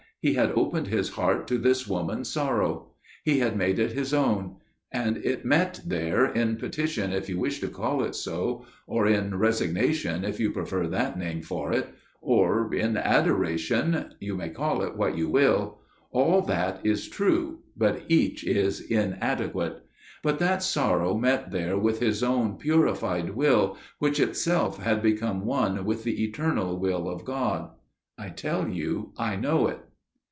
He had opened his heart to this woman's sorrow. He had made it his own: and it met there, in petition if you wish to call it so, or in resignation if you prefer that name for it, or in adoration––you may call it what you will––all that is true, but each is inadequate––but that sorrow met there with his own purified will, which itself had become one with the eternal will of God. I tell you I know it.